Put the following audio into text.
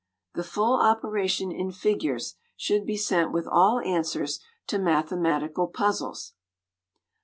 The full operation in figures should be sent with all answers to mathematical puzzles.